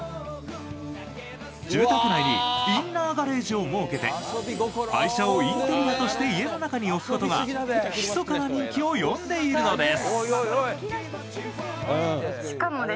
住宅内にインナーガレージを設けて愛車をインテリアとして家の中に置くことがひそかな人気を呼んでいるのです。